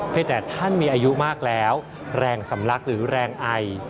แต่ท่านมีอายุมากแล้วแรงสำลักหรือแรงไอ